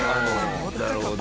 なるほど。